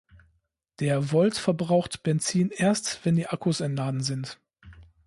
Der Volt verbraucht Benzin erst, wenn die Akkus entladen sind.